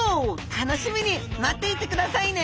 楽しみに待っていてくださいね！